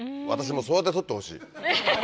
私もそうやって撮ってほしい。